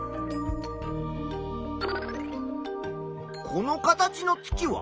この形の月は？